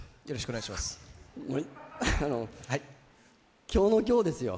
あの、今日の今日ですよ。